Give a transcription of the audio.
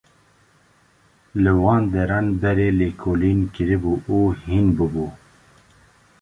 Li van deran berê lêkolîn kiribû û hîn bûbû.